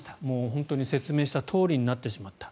本当に説明したとおりになってしまった。